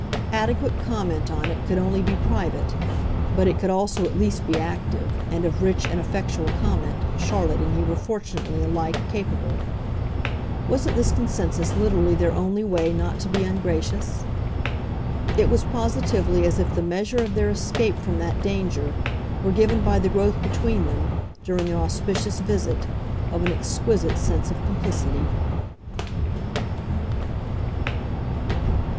Adequate comment on it could only be private, but it could also at least be active, and of rich and effectual comment Charlotte and he were fortunately alike capable. Wasn't this consensus literally their only way not to be ungracious? It was positively as if the measure of their escape from that danger were given by the growth between them, during their auspicious visit, of an exquisite sense of complicity.